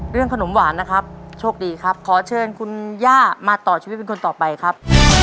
ขนมหวานนะครับโชคดีครับขอเชิญคุณย่ามาต่อชีวิตเป็นคนต่อไปครับ